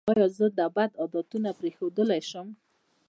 ایا زه دا بد عادتونه پریښودلی شم؟